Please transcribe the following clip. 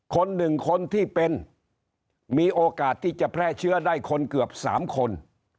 คนหนึ่งคนที่เป็นมีโอกาสที่จะแพร่เชื้อได้คนเกือบ๓คน